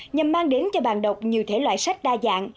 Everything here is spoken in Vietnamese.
nhằm mang đến cho bạn đọc nhiều thể loại sách đa dạng